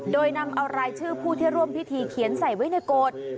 โดยนำเอารายชื่อผู้ที่ร่วมพิธีเขียนใส่ไว้ในโกรธ